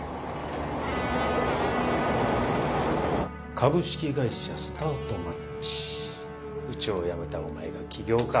「株式会社スタートマッチ」うちを辞めたお前が起業か。